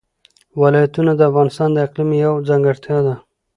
ولایتونه د افغانستان د اقلیم یوه ځانګړتیا ده.